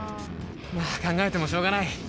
まぁ考えてもしょうがない